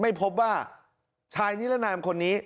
ไม่พบว่าชายนิรนามคนนี้